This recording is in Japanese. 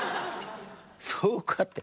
そうかって。